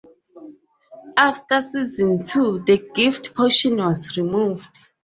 After Season Two, the gift portion was removed.